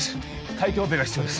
開胸オペが必要です